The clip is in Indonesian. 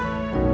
aku mau pergi